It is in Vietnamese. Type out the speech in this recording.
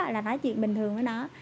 là nói chuyện bình thường với nó